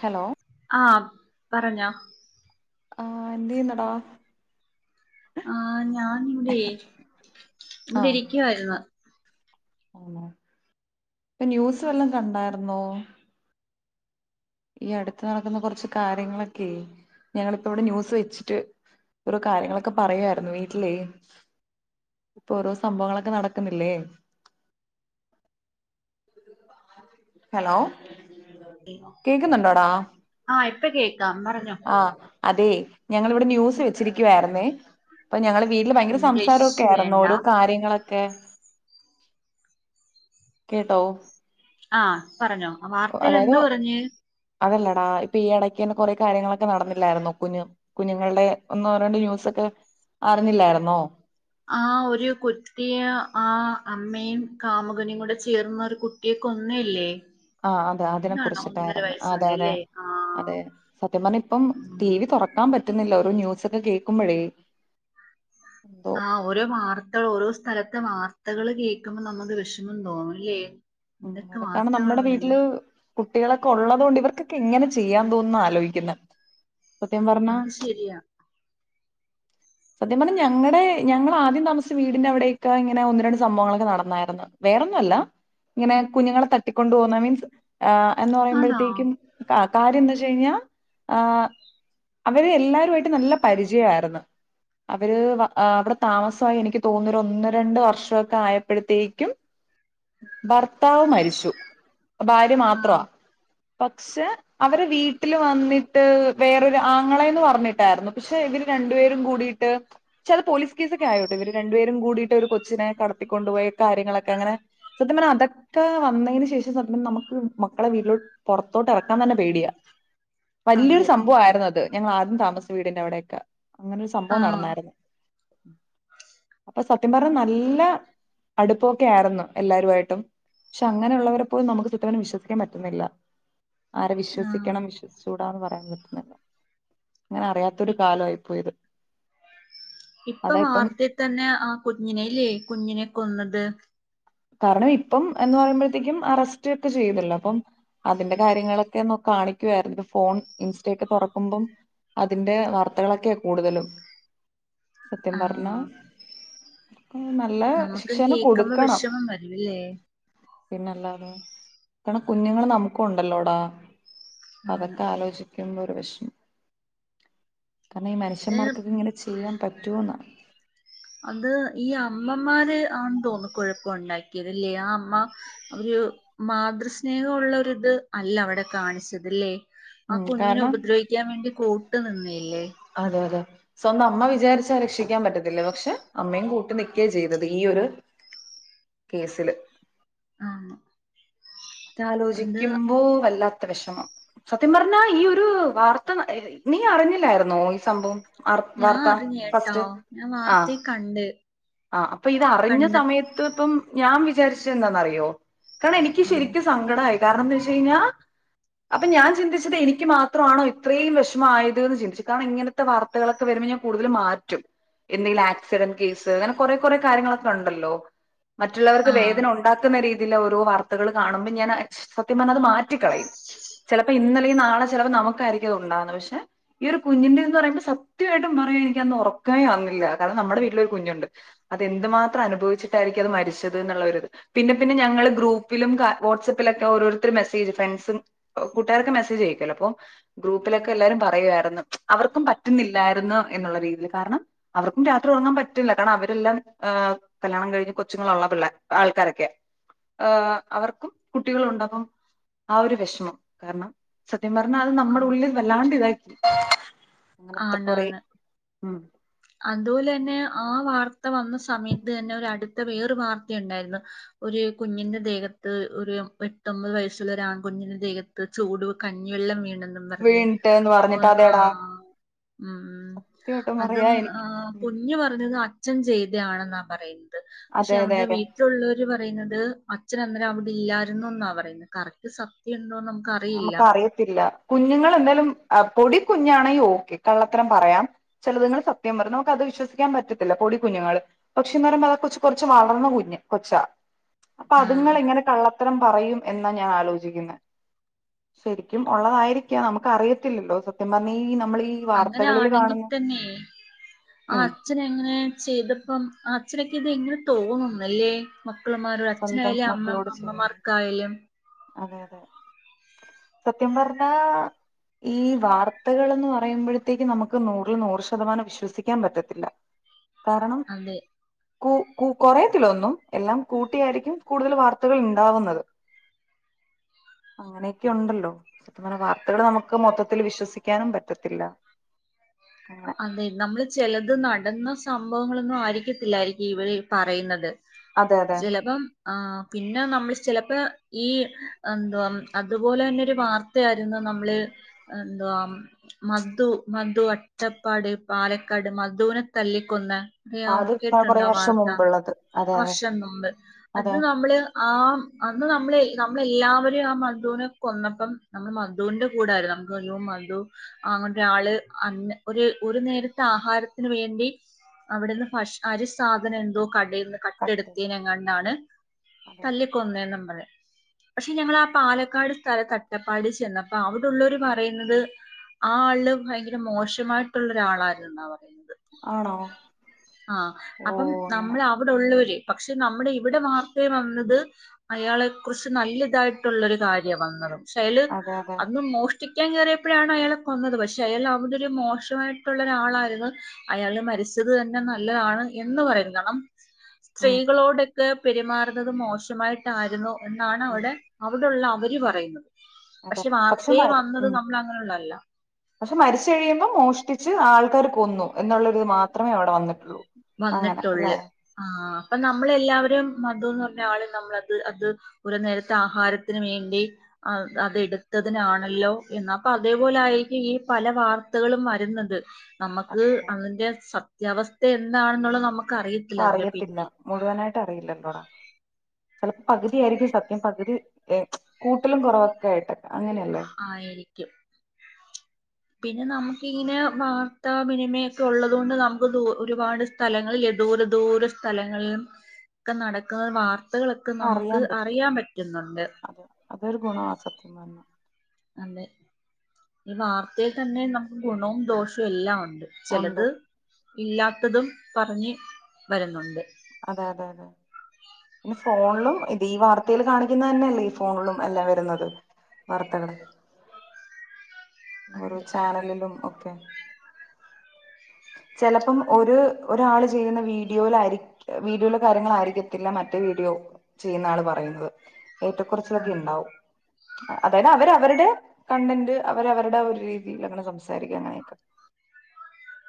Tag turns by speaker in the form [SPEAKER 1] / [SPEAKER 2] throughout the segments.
[SPEAKER 1] Hello
[SPEAKER 2] ആഹ് പറഞ്ഞോ
[SPEAKER 1] ആഹ് എന്തുചെയ്യുന്നെടാ
[SPEAKER 2] ആഹ് ഞാനിവിടെ ഇവിടെ ഇരിക്കു വായിരുന്നു
[SPEAKER 1] ഇപ്പൊന്യൂസുവല്ലോം കണ്ടായിരുന്നോ ഈയടുത്തുനടക്കുന്ന കുറച്ചുകാര്യങ്ങളൊക്കെ ഞങ്ങളിപ്പോയിവിടെ ന്യൂസ് വെച്ചിട്ട് ഓരോ കാര്യങ്ങളൊക്കെ പറയുവായിരുന്നു വീട്ടിലേ ഇപ്പോരോ സംഭവങ്ങളൊക്കെ നടക്കുന്നില്ലേ ഹലോ കേക്കുന്നുണ്ടോടാ
[SPEAKER 2] ആഹ് ഇപ്പം കേൾക്കാം പറഞ്ഞോ
[SPEAKER 1] ആഹ് അതെ ഞങ്ങളിവിടെ ന്യൂസ് വെച്ചിരിക്കുവായിരുന്നേ ഇപ്പൊ ഞങ്ങളു വീട്ടില് ഭയങ്കര
[SPEAKER 2] ഇംഗ്ലീഷ്
[SPEAKER 1] സംസാരൊക്കെയായിരുന്നു
[SPEAKER 2] വേണ്ട
[SPEAKER 1] ഓരോ കാര്യങ്ങള് കേ കേട്ടോ
[SPEAKER 2] ആഹ് പറഞ്ഞോ വാർത്തയിലെന്തു പറഞ്ഞ്
[SPEAKER 1] അതല്ലെടാ, ഇപ്പൊയീ ഇടയ്ക്കുതന്നെ കൊറെകാര്യങ്ങളൊക്കെ നടന്നില്ലായിരുന്നോ കുഞ്ഞു കുഞ്ഞുങ്ങളുടെ ഒന്നു രണ്ടു ന്യൂസൊക്കെ അറിഞ്ഞില്ലായിരുന്നോ
[SPEAKER 2] ആഹ്, ഒരു കുട്ടിയെ ആഹ് അമ്മയും കാമുകനും കൂടെചേർന്നൊരു കു ഈ കൊന്ന ഇല്ലേ
[SPEAKER 1] ആഹ്, അതെ അതിനെ കുറിച്ചിട്ടായിരുന്നു. അതെ അതെ
[SPEAKER 2] വയസ്സുള്ളല്ലേ ആഹ്
[SPEAKER 1] അതെ സത്യം പറഞ്ഞാലിപ്പം
[SPEAKER 2] ഉം
[SPEAKER 1] ടി. വി തുറ ക്കാൻ പറ്റുന്നില്ല ഓരോ ന്യൂസൊക്കെ കേൾക്കുമ്പോഴേ എന്തോ
[SPEAKER 2] ആഹ്, ഓരോ വാർത്തകളും ഓരോ സ്ഥലത്തെ വാർത്തകള് കേൾക്കുമ്പോൾ നമുക്ക് വിഷമം തോന്നുമല്ലേ
[SPEAKER 1] ഉം അതൊക്കെകാരണം നമ്മുടെ വീട്ടില് കുട്ടികളൊക്കെയുള്ളതുകൊണ്ടു ഇവർക്കൊക്കെ എങ്ങനെ ചെയ്യാൻ തോന്നുന്നെഎന്നാ ആലോചിക്കുന്നേ സത്യം പറഞ്ഞാ
[SPEAKER 2] അത് ശരിയാ
[SPEAKER 1] സത്യം പറഞ്ഞാൽ ഞങ്ങടെ ഞങ്ങളാദ്യം താമസിച്ചവീടിന്റെയവിടെയൊക്കെയിഇങ്ങനെ ഒന്നു രണ്ടുസംഭവങ്ങളൊക്കെ നടന്നായിരുന്നു വേറൊന്നുമല്ല, ഇങ്ങനെ കുഞ്ഞുങ്ങളെ തട്ടിക്കൊണ്ടു പോകുന്ന മീൻസ് ആഹ്‌, എന്നു
[SPEAKER 2] ആണോ
[SPEAKER 1] പറയുമ്പോഴത്തേക്കും ആഹ് കാര്യമെന്താ വെച്ചുകഴിഞ്ഞാൽ ആഹ്, അവരെല്ലാരുമായിട്ടും നല്ല പരിചയമായിരുന്നു അവര്, അവിടെ താമസമായിയെനിക്കുതോന്നുന്നു ഒരു ഒന്നു രണ്ടുവർഷമൊക്കെയായപ്പോഴത്തേക്കും ഭർത്താവുമരിച്ചു. ഭാര്യ മാത്രമാ
[SPEAKER 2] ആഹ്
[SPEAKER 1] പക്ഷേ അവര് വീട്ടിൽവന്നിട്ട് വേറൊരു ആങ്ങളേന്നുപറഞ്ഞിട്ടായിരുന്നു. പക്ഷെയിവരു രണ്ടുപേരും കൂടി ട്ട് ചില പോലീസ് കേസൊക്കെയായി കേട്ടോ, ഇവരു രണ്ടു പേരും കൂടിയിട്ടൊരു കൊച്ചിനെ കടത്തിക്കൊണ്ടുപോയ കാര്യങ്ങളൊക്കെയങ്ങനെ സത്യം പറഞ്ഞാലതൊക്കെ വന്നതിന് ശേഷം സത്യം നമുക്ക്മക്കളെ വീട്ടിലോട്ട് പുറത്തോട്ടിറക്കാൻ തന്നെ പേടിയാ വലിയൊരു
[SPEAKER 2] അതെ
[SPEAKER 1] സംഭവമായിരുന്നത്. ഞങ്ങളാദ്യം താമസിച്ചവീടിന്റെയവിടെയൊക്കെ അങ്ങനെയൊരു സംഭവം
[SPEAKER 2] ആഹ്
[SPEAKER 1] നടന്നായിരുന്നു. അപ്പൊസത്യം പറഞ്ഞാ നല്ല അടുപ്പമൊക്കെയായിരുന്നു. എല്ലാരുമായിട്ടും പക്ഷെ അങ്ങനെയുള്ളവരെ പോലും നമുക്കു ചുറ്റുവാനും വിശ്വസിക്കാൻ പറ്റുന്നില്ല ആരെ
[SPEAKER 2] ആഹ്
[SPEAKER 1] വിശ്വസിക്കണം വിശ്വസിച്ചുകൂടാന്നുപറയാൻ പറ്റുന്നില്ല അങ്ങനെ അറിയാത്തൊരു കാലമായിപ്പോയിത്
[SPEAKER 2] ഇപ്പൊ വാർത്തേ തന്നെ ആഹ് കുഞ്ഞിനെയില്ലേ കുഞ്ഞിനെ കൊന്നത്
[SPEAKER 1] കാരണം ഇപ്പം എന്ന് പറയുമ്പോഴത്തേക്കും അറസ്റ്റ് ഒക്കെ ചെയ്തല്ലോ അപ്പം അതിന്റെ കാര്യങ്ങളൊക്കെ ഒന്ന് കാണിക്കുവായിരുന്നു ഫോൺ ഇൻസ്റ്റയൊക്കെ തൊറക്കുമ്പം അതിന്റെ വാർത്തകളൊക്കെയ കൂടുതലും സത്യം പറഞ്ഞ
[SPEAKER 2] ആഹ്
[SPEAKER 1] നല്ല ശിക്ഷ തന്നെ കൊടുക്കണം
[SPEAKER 2] ഇല്ലേ
[SPEAKER 1] പിന്നെ അല്ലാതെ കാരണം കുഞ്ഞുങ്ങള് നമുക്കു ഒണ്ടല്ലോടാ
[SPEAKER 2] ആണ്
[SPEAKER 1] അതൊക്കെ ആലോചി ക്കുമ്പോ ഒരു വെഷമം കാരണം ഈ
[SPEAKER 2] പക്ഷെ
[SPEAKER 1] മനുഷ്യന്മാർക്കൊക്കെ ഇങ്ങനെ ചെയ്യാൻ പറ്റുമോന്നാ
[SPEAKER 2] അത് ഈ അമ്മമാര് ആണ് തോന്നുന്നു കുഴപ്പം ഒണ്ടാക്കിയത് അല്ലേ ആ അമ്മ ഒരു മാതൃസ്നേഹം ഉള്ള ഒരിത് അല്ല അവിടെ കാണിച്ചത് ഇല്ലേ ആഹ്
[SPEAKER 1] ഉം
[SPEAKER 2] കുഞ്ഞിനെ
[SPEAKER 1] കാരണം
[SPEAKER 2] ഉപദ്രവിക്കാൻ വേണ്ടി കൂട്ട് നിന്നില്ലേ
[SPEAKER 1] അതെ അതെ സ്വന്തം അമ്മ വിചാരിച്ചാൽ രക്ഷിക്കാൻ പറ്റത്തില്ലേ പക്ഷെ അമ്മയും കൂട്ട് നിക്കുക ചെയ്തത് ഈ ഒരു കേസില്
[SPEAKER 2] ആഹ് അത്
[SPEAKER 1] ആലോചിക്കുമ്പോ വല്ലാത്ത വെഷമം സത്യം പറഞ്ഞ ഈ ഒരു വാർത്ത നീ അറിഞ്ഞില്ലായിരുന്നോ ഈ സംഭവം
[SPEAKER 2] ഞാൻ
[SPEAKER 1] വാർത്ത
[SPEAKER 2] അറിഞ്ഞ് കേട്ടോ
[SPEAKER 1] ഫസ്റ്റ്
[SPEAKER 2] ഞാൻ
[SPEAKER 1] ആഹ്
[SPEAKER 2] വാർത്തേ കണ്ട്
[SPEAKER 1] ആഹ് അപ്പൊ ഇത് അറിഞ്ഞ
[SPEAKER 2] കണ്ട
[SPEAKER 1] സമയത്ത് ഇപ്പം ഞാൻ വിചാരിച്ച എന്താന്ന് അറിയോ കാരണം എനിക്ക്
[SPEAKER 2] ഉം
[SPEAKER 1] ശെരി ക്ക് സങ്കടായി കാരണം എന്ത്‌ വെച്ച് കഴിഞ്ഞാ അപ്പൊ ഞാൻ ചിന്തിച്ചത് എനിക്ക് മാത്രമാണോ ഇത്രേയും വെഷമായത് എന്ന് ചിന്തിച്ചു കാരണം ഇങ്ങനെ ത്തെ വാർത്തകളൊക്കെ വരുമ്പോ ഞാൻ കൂടുതല് മാറ്റും എന്തെങ്കിലും ആക്സിഡന്റ് കേസ് അങ്ങനെ കൊറേ കൊറെ കാര്യങ്ങളൊക്കെണ്ടല്ലോ മറ്റുള്ളവർക്ക്
[SPEAKER 2] ആഹ്
[SPEAKER 1] വേദന ഉണ്ടാക്കുന്ന രീതിയില് ഓരോ വാർത്തകള് കാണുമ്പോ ഞാന് അത് സത്യം പറഞ്ഞാ അത് മാറ്റിക്കളയും ചെലപ്പോ ഇന്നല്ലെങ്കിൽ നാളെ ചെലപ്പൊ നമുക്കായിരിക്കും അത് ഉണ്ടാവുന്നേ പക്ഷെ ഈ ഒരു കുഞ്ഞിന്റേന്ന് പറയുമ്പോ സത്യായിട്ടും പറയാ എനിക്കന്ന് ഒറക്കേ വന്നില്ല കാരണം നമ്മുടെ വീട്ടില് ഒരു കുഞ്ഞുണ്ട് അതെന്തു മാത്രം അനുഭവിച്ചിട്ടായിരിക്കും അത് മരിച്ചത് എന്ന്ള്ളോര്ത് പിന്നെ പിന്നെ ഞങ്ങള് ഗ്രൂ പ്പിലും വാട്സപ്പിലക്കെ ഓരോര്ത്തര് മെസേജ് ഫ്രണ്ട്സും കൂട്ടുരൊക്കെ മെസ്സേജ് അയക്കല്ലോ അപ്പൊ ഗ്രൂപ്പിലൊക്കെ എല്ലാരും പറയുവായിരുന്നു അവർക്കും പറ്റുന്നില്ലായിരുന്നു എന്നുള്ള രീതീല് കാരണം അവർക്കും രാത്രി ഒറങ്ങാൻ പറ്റില്ല കാരണം അവരെല്ലാം ആഹ് കല്ല്യാണം കഴിഞ്ഞ് കൊച്ചുങ്ങളൊള്ള പിള്ള ആൾക്കാരൊക്കെ ഏ അവർക്കും കുട്ടികളൊണ്ടെന്നും ആ ഒരു വെഷമം കാരണം സത്യം പറഞ്ഞാൽ അത് നമ്മടെ
[SPEAKER 2] ആഹ്
[SPEAKER 1] ഉള്ളിൽ വല്ലാണ്ട് ഇതായി അങ്ങനത്തെ കൊറെ
[SPEAKER 2] ആണാണ്
[SPEAKER 1] ഉം
[SPEAKER 2] അതുപോലെ തന്നെ ആ വാർത്ത വന്ന സമയത്ത് തന്നെ ഒരു അടുത്ത വേറെ വാർത്തയുണ്ടായിരുന്നു ഒരു കുഞ്ഞിന്റെ ദേഹത്ത് ഒരു എട്ടൊമ്പത് വയസ്സുള്ള ഒരാൺ കുഞ്ഞിന്റെ ദേഹ ത്ത് ചൂടു കഞ്ഞിവെള്ളം വീണെന്നും പറഞ്ഞ്
[SPEAKER 1] വീണിട്ട് എന്ന്
[SPEAKER 2] ഒ
[SPEAKER 1] പറഞ്ഞിട്ട് അതേടാ
[SPEAKER 2] ആഹ് ഉം
[SPEAKER 1] സത്യമായിട്ടും
[SPEAKER 2] അതും
[SPEAKER 1] പറയാ എനിക്ക്
[SPEAKER 2] ആഹ് കുൻ കുഞ്ഞ് പറഞ്ഞത് അച്ഛൻ ചെയ്തയാണെന്നാ പറയുന്നത് പക്ഷെ
[SPEAKER 1] അതെ അതെ
[SPEAKER 2] അവന്റെ
[SPEAKER 1] അതെ
[SPEAKER 2] വീ ട്ടില്ള്ളോര് പറയുന്നത് അച്ഛൻ അന്നേരം അവിടെ ഇല്ലായിരുന്നുന്നാ പറയുന്നത് കറക്റ്റ് സത്യ ഉണ്ടോ നമു
[SPEAKER 1] നമുക്കറിയത്തില്ല കുഞ്ഞുങ്ങള് എന്തായാലും പൊടി കുഞ്ഞാണെ ഓക്കെ കള്ളത്തരം പറയാം ചെലത്ങ്ങള് സത്യം പറയും നമുക്ക് അത് വിശ്വസിക്കാൻ പറ്റത്തില്ല പൊടി കുഞ്ഞുങ്ങള് പക്ഷേ എന്ന് പറയുമ്പോ അത് കൊച്ച് കൊറച്ച് വളർന്ന കുഞ്ഞ് കൊച്ചാ അപ്പൊ
[SPEAKER 2] ആ
[SPEAKER 1] അത്ങ്ങള് എങ്ങനെ കള്ളത്തരം പറയും എന്നാ ഞാൻ ആലോചിക്കുന്നെ ശെരിക്കും ഉള്ളതായിരിക്കാം നമുക്ക് അറിയത്തില്ലല്ലോ സത്യം പറഞ്ഞാ ഈ നമ്മളീ
[SPEAKER 2] അങ്ങനെ ആണെങ്കി തന്നെ ആഹ്
[SPEAKER 1] ഉം
[SPEAKER 2] അച്ഛന് അങ്ങനെ ചെയ്തപ്പം ആ അച്ഛനൊക്കെ ഇത് എങ്ങനെ തോന്നുന്നല്ലേ മക്കളമാരും
[SPEAKER 1] സ്വന്തം
[SPEAKER 2] അച്ഛനായാലും അമ്മ
[SPEAKER 1] മക്കളോട് ചെയ്യാൻ
[SPEAKER 2] അമ്മമാർക്കായാലും
[SPEAKER 1] അതെ അതെ സത്യം പറഞ്ഞാ ഈ വാർത്തകളെന്ന് പറയുമ്പോഴത്തേക്ക് നമുക്ക് നൂറിൽ നൂറ് ശതമാനം വിശ്വസിക്കാൻ പറ്റത്തില്ല. കാരണം
[SPEAKER 2] അതെ
[SPEAKER 1] കൂ കു കൊറയത്തിലൊന്നും എല്ലാം കൂട്ടിയായിരിക്കും കൂടുതല് വാർത്തകൾ ഇണ്ടാവുന്നത് അങ്ങനെയൊക്കെ ഉണ്ടല്ലോ സത്യം പറഞ്ഞാ വാർത്തകള് നമുക്ക് മൊത്തത്തിൽ വിശ്വസിക്കാനും പറ്റത്തില്ല അങ്ങനെ
[SPEAKER 2] അതെ നമ്മള് ചെലത് നടന്ന സംഭവങ്ങളൊന്നും ആയിരിക്കത്തില്ലായിരിക്കും ഇവര് ഈ പറയുന്നത്
[SPEAKER 1] അതെ അതെ
[SPEAKER 2] ചെലപ്പം ആഹ് പിന്നെ നമ്മള് ചെലപ്പേ ഈ എന്തുവാ അതുപോലെ തന്നെ ഒരു വാർത്തയാരുന്നു നമ്മള് എന്തുവാ മധു മധു അട്ടപ്പാട് പാലക്കാട് മധുവിനെ തല്ലിക്കൊന്ന അറിയാവോ
[SPEAKER 1] അത് കൊറേ
[SPEAKER 2] കേട്ടിട്ടോണ്ടോ ആഹ്
[SPEAKER 1] വർഷം
[SPEAKER 2] വാർത്ത
[SPEAKER 1] മുമ്പുള്ളത് അതെ അതെ
[SPEAKER 2] വർഷം മുമ്പ് അത്
[SPEAKER 1] അതെ
[SPEAKER 2] നമ്മള് ആം അന്ന് നമ്മള് നമ്മളെല്ലാവരും ആ മധുവിനെ കൊന്നപ്പം നമ്മള് മധുന്റെ കൂടായിരുന്നു [unintelligible] മധു അങ്ങനത്തെ ആള് അന്ന് ഒരു ഒരു നേരത്തെ ആഹാരത്തിന് വേണ്ടി അവിടുന്ന് ഭക്ഷ അരി സാധനം എന്തോ കടേന്ന്
[SPEAKER 1] കട്ട് ചെയ്തു.
[SPEAKER 2] കട്ടെടുത്തിനെങ്ങാണ്ടാണ്
[SPEAKER 1] അതെ
[SPEAKER 2] തല്ലിക്കൊന്നെന്നും പറയാം പഷേ ഞങ്ങളാ പാലക്കാട് സ്ഥലത്ത് അട്ടപ്പാടി ചെന്നപ്പോ അവിടുള്ളോര് പറയുന്നത് ആ ആള് ഭയങ്കര മോശമായിട്ടുള്ള ഒരാളായിരുന്നെന്നാ പറയുന്നെ
[SPEAKER 1] ആണോ
[SPEAKER 2] ആഹ്
[SPEAKER 1] ഓ
[SPEAKER 2] അപ്പം
[SPEAKER 1] അങ്ങനെ
[SPEAKER 2] നമ്മള് അവടൊള്ളോര് പക്ഷേ നമ്മടെ ഇവടെ വാർത്തേ വന്നത് അയാളെ കുറിച്ച് നല്ലിതായിട്ടുള്ളൊരു കാര്യാ വന്നതും ഷേയാള്
[SPEAKER 1] അതെ അതെ
[SPEAKER 2] അന്ന് മോഷ്ടിക്കാൻ കേറിയപ്പഴാണ് അയാളെ കൊന്നത് പഷേ അയാൾ അവ മോശവായിട്ടൊള്ളൊരു ആളാരുന്നു അയാള് മരിച്ചത് തന്നെ നല്ലതാണ് എന്ന് പറയുന്നത് കണം
[SPEAKER 1] ഉം
[SPEAKER 2] സ്ത്രീകളോടൊക്കെ പെരുമാറുന്നത് മോശമായിട്ടായിരുന്നു എന്നാണ്
[SPEAKER 1] ഉം
[SPEAKER 2] അവടെ അവടുള്ള അവര് പറയുന്നത്
[SPEAKER 1] അതെ
[SPEAKER 2] പഷേ
[SPEAKER 1] പക്ഷെ
[SPEAKER 2] വാർത്തെ വന്നത് നമ്മൾ അങ്ങനെയുള്ളല്ല
[SPEAKER 1] പഷേ മരിച്ച്കഴിയുമ്പോ മോഷ്ടിച്ച് ആൾക്കാര് കൊന്നു എന്നുള്ളൊരു ഇത് മാത്രമേ അവിടെ വന്നിട്ടുള്ളൂ അങ്ങനെ അല്ലെ
[SPEAKER 2] വന്നിട്ടൊള്ള് ആഹ് അപ്പോ നമ്മളെല്ലാവരും മധുന്ന് പറഞ്ഞ ആളെ നമ്മളത് അത് ഒരു നേരത്ത ആഹാരത്തിന് വേണ്ടി ആഹ് അതെടുത്തതിനാണല്ലോ എന്നാ അപ്പോ അതേപോലാരിക്കും ഈ പല വാർ ത്തകളും വരുന്നത് നമക്ക്
[SPEAKER 1] അതെ അതെ
[SPEAKER 2] അതിന്റെ സത്യാവസ്ഥ എന്താണെന്നുള്ളത് നമുക്കറിയ
[SPEAKER 1] ആറിയത്തില്ല മുഴുവനായിട്ട് അറിയില്ലല്ലോടാ ചെലപ്പോ പകുതിയാരിക്കും സത്യം പകുതി ഏഹ് കൂട്ടലും കൊറവൊക്കെ ആയിട്ട്
[SPEAKER 2] ആയിരിക്കും പിന്നെ നമുക്ക് ഇങ്ങനെ വാർത്താവിനിമയൊക്കെ ഒള്ളതുകൊണ്ട് നമുക്ക് ഒരുപാട് സ്ഥലങ്ങളിൽ ദൂര ദൂര സ്ഥലങ്ങളിലും ഒക്കെ നടക്കുന്ന വാർ ത്തകളൊക്കെ നമുക്ക് അറിയാൻ പറ്റുന്നോണ്ട്
[SPEAKER 1] അത് അതൊരു ഗുണവാ സത്യം പറഞ്ഞാ
[SPEAKER 2] അതെ ഈ വാർത്തയിൽ തന്നെ നമുക്ക് ഗുണവും ദോഷവും എല്ലാം ഒണ്ട്
[SPEAKER 1] ഉണ്ട്
[SPEAKER 2] ചെലത് ഇല്ലാത്തതും പറഞ്ഞ് വരുന്നോണ്ട്
[SPEAKER 1] അതെ അതെ അതെ പിന്നെ ഫോണിലും ഇത് ഈ വാർത്തേല് കാണിക്കുന്നത് തന്നെയല്ലേ ഈ ഫോണിലും എല്ലാം വരുന്നത് വാർത്തകള് ഓരോ
[SPEAKER 2] അതെ
[SPEAKER 1] ചാനലിലും ഒക്കെ ചെലപ്പം ഒരു ഒരാള് ചെയ്യുന്ന വീഡിയോയിലായിരി വീഡിയോലേ കാര്യങ്ങൾ വീഡിയോലുള്ള കാര്യങ്ങൾ ആയിരിക്കത്തില്ല മറ്റേ വീഡിയോ ചെയ്യുന്ന ആള് പറയുന്നത് ഏറ്റക്കൊറച്ചിലോക്കെ
[SPEAKER 2] അതെ
[SPEAKER 1] ഇണ്ടാവും അതായത് അവര് അവരുടെ കണ്ടന്റ് അവരവരുടെ ഒരു രീതിയില് അങ്ങനെ സംസാരിക്കും അങ്ങനെയൊക്കെ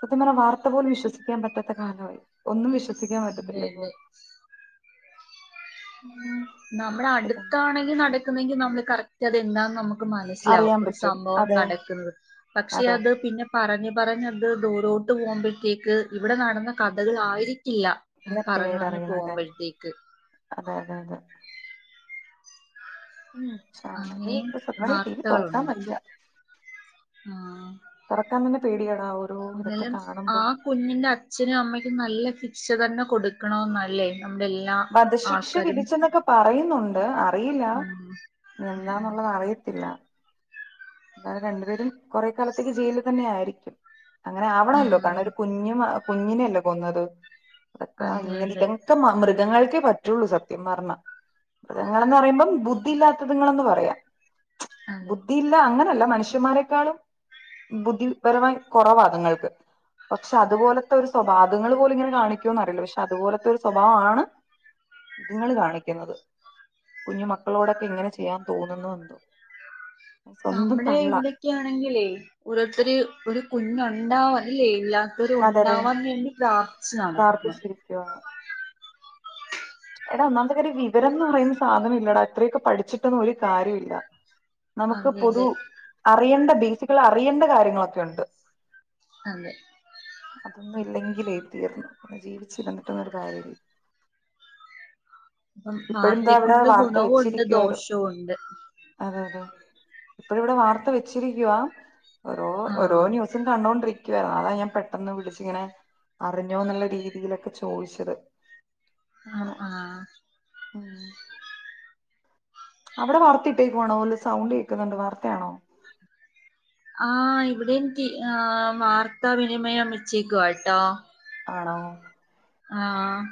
[SPEAKER 1] സത്യം പറഞ്ഞാ വാർത്ത പോലും വിശ്വസിക്കാൻ പറ്റാത്ത കാലവായി ഒന്നും വിശ്വ- സിക്കാൻ
[SPEAKER 2] അതെ
[SPEAKER 1] പറ്റത്തില്ലിപ്പോ
[SPEAKER 2] അതെ
[SPEAKER 1] ഉം
[SPEAKER 2] നമ്മള അടുത്താണെങ്കിൽ നടക്കുന്നെങ്കിൽ നമ്മള് കറക്റ്റ് അത് എന്താന്ന് ന മനസിലാവും
[SPEAKER 1] അറിയാൻ
[SPEAKER 2] ഒരു
[SPEAKER 1] പറ്റും
[SPEAKER 2] സംഭവം
[SPEAKER 1] അതെ
[SPEAKER 2] നടക്കുന്നത് പക്ഷെ
[SPEAKER 1] അതെ
[SPEAKER 2] അത് പിന്നെ പറഞ്ഞഞ് പറഞ്ഞത് ദൂരോട്ട് പോകുമ്പോഴത്തേക്ക് ഇവിടെ നടന്ന കഥകൾ ആയിരിക്കില്ല ഉം
[SPEAKER 1] ഇല്ല
[SPEAKER 2] പറഞ്ഞ്
[SPEAKER 1] പിന്നീട്
[SPEAKER 2] പറഞ്ഞ്
[SPEAKER 1] അറിയുന്നത്
[SPEAKER 2] പോകുമ്പോഴത്തേക്ക്
[SPEAKER 1] അതെ അതെ അതെ ഉം ചാനല്
[SPEAKER 2] അങ്ങനെയും
[SPEAKER 1] ഇപ്പ സത്യത്തി ടി വി തുറക്കാൻ
[SPEAKER 2] വാർത്തകളുണ്ട്
[SPEAKER 1] വയ്യ
[SPEAKER 2] ആഹ്
[SPEAKER 1] തൊറക്കാൻ തന്നെ പേടിയാണാവോ
[SPEAKER 2] എന്നാലും ആ കുഞ്ഞിന്റെ അച്ഛനും അമ്മയ്ക്കും നല്ല ശിക്ഷ തന്നെ കൊടുക്കണംന്നല്ലേ നമ്മുടെ എല്ലാ
[SPEAKER 1] വധശിക്ഷ
[SPEAKER 2] ആൾക്കാരും
[SPEAKER 1] വിധിച്ചെന്നൊക്കെ പറയുന്നുണ്ട് അറിയില്ല
[SPEAKER 2] ഉം ഉം ഉം
[SPEAKER 1] എന്താന്നുള്ളത് അറിയത്തില്ല എന്താലും രണ്ടുപേരും കുറെ കാലത്തേക്ക് ജയിലിൽ തന്നെ ആയിരിക്കും അങ്ങനെ ആവണല്ലോ കാരണം
[SPEAKER 2] ആഹ്
[SPEAKER 1] ഒരു കുഞ്ഞും കുഞ്ഞിനെയല്ലോ കൊന്നത് അതൊക്കെ
[SPEAKER 2] അതെ
[SPEAKER 1] ഇങ്ങനെ
[SPEAKER 2] അതെ
[SPEAKER 1] ഇത ഒക്കെ മൃഗങ്ങൾക്കേ പറ്റുള്ളൂ സത്യം പറഞ്ഞാൽ മൃഗങ്ങളൾന്ന് പറയുമ്പം ബുദ്ധിയില്ലാത്തതുങ്ങളന്ന് പറയാം
[SPEAKER 2] അതെ
[SPEAKER 1] ബുദ്ധിയി അല്ല അങ്ങനെയല്ല മനുഷ്യന്മാരെക്കാളും ബുദ്ധിപരമായി കൊറവാ അതുങ്ങൾക്ക് പക്ഷെ അതുപോലത്തെ ഒരു സ്വഭാവങ്ങൾ പോലും ഇങ്ങനെ കാണിക്കോന്ന അറിയില്ല പക്ഷെ അതുപോലത്തെ ഒരു സ്വഭാവാണ് ഇതുങ്ങൾ കാണിക്കുന്നത് കുഞ്ഞു മക്കളോടൊക്കെ ഇങ്ങനെ ചെയ്യാൻ തോന്നുന്നു എന്തോ സ്വന്തം
[SPEAKER 2] നമ്മുടെ
[SPEAKER 1] തള്ള
[SPEAKER 2] ഇവിടൊക്കാണെങ്കിലേ ഓരോരുത്തർ ഒരു കുഞ്ഞുണ്ടാവല്ലല്ലേ ഇല്ല ഇരു
[SPEAKER 1] അതെ അതെ
[SPEAKER 2] ഉണ്ടാവാൻ വേണ്ടി പ്രാർത്ഥിച്ചതാണ്
[SPEAKER 1] ഗാ എടാ ഒന്നാമത്തെ കാര്യം വിവരം എന്ന് പറയുന്ന സാധനം ഇല്ലാടാ ഇത്രയൊക്കെ പഠിച്ചിട്ടന്നും ഒരു കാര്യല്ല ഇില്ല നമുക്ക്
[SPEAKER 2] അതെ
[SPEAKER 1] പൊതു
[SPEAKER 2] അതെ
[SPEAKER 1] അറിയേണ്ട ബേസിക്കൽ അറിയേണ്ട കാര്യങ്ങളൊക്കെ ഉണ്ട്
[SPEAKER 2] അതെ
[SPEAKER 1] അതൊന്നുംല്ലെങ്കിലേ തീർന്നു പിന്നെ ജീവിച്ചിരന്നിട്ടുന്നൊ ഒരു കാര്യല്ല
[SPEAKER 2] അപ്പം
[SPEAKER 1] ഇപ്പോഴും ഇതാ
[SPEAKER 2] വാർത്തയെ
[SPEAKER 1] ഇവിടെ
[SPEAKER 2] കൊണ്ട്
[SPEAKER 1] വാർത്ത
[SPEAKER 2] ഗുണവും ഉണ്ട്
[SPEAKER 1] വെച്ചിരിക്കുവാര്
[SPEAKER 2] ദോഷവും ഉണ്ട്
[SPEAKER 1] അതെ അതെ ഇപ്പഴും ഇവിടെ വാർത്ത വെച്ചിരിക്കവാ ഓരോ ഓരോ
[SPEAKER 2] ആഹ്
[SPEAKER 1] ന്യു സ് കണ്ടൊണ്ടിരിക്കുവായിരുന്നു അതാ ഞാൻ പെട്ടെന്ന് വിളിച്ച്ങ്ങനെ അറിഞ്ഞോ എന്നുള്ള രീതിയിലൊക്കെ ചോദിച്ചത്
[SPEAKER 2] ആഹ്
[SPEAKER 1] അങ്ങനെ
[SPEAKER 2] ആഹ്
[SPEAKER 1] ഉം അവിടെ വാർത്ത ഇട്ടേക്ക് വാണോ സൗണ്ട് കേൾക്കുന്നുണ്ട് വാർത്തയാണോ
[SPEAKER 2] ആഹ് ഇവിടെ ടീ ആഹ് വാർത്താവിനിമയം വെച്ചേക്കുവട്ടോ
[SPEAKER 1] ആണോ
[SPEAKER 2] ആഹ്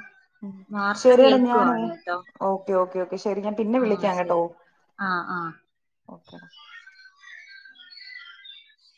[SPEAKER 1] ഉം
[SPEAKER 2] വാർത്ത
[SPEAKER 1] ശരിയെടാ ഞാനേ
[SPEAKER 2] കേൾക്കുവാണുട്ടോ
[SPEAKER 1] ഓക്കെ ഓക്കേ ഓക്കെ ശരി ഞാൻ പിന്നെ വിളിക്കാം കേട്ടോ
[SPEAKER 2] ആഹ് ആഹ്
[SPEAKER 1] ഓക്കെ